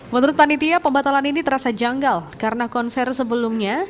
menurut panitia pembatalan ini terasa janggal karena konser sebelumnya